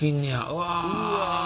うわ！